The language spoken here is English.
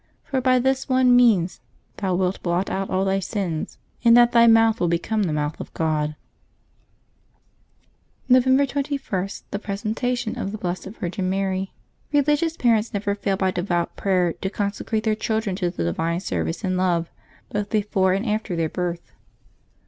For by this one means thou wilt blot out all thy sins, in that thy mouth will become the mouth of God/' November 21.— THE PRESENTATION OF THE BLESSED VIRGIN MARY. /I^ELiGious parents never fail by devout prayer to conse J^a crate their children to the divine service and love, both before and after their birth.